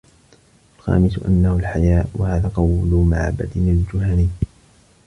وَالْخَامِسُ أَنَّهُ الْحَيَاءُ وَهَذَا قَوْلُ مَعْبَدٍ الْجُهَنِيِّ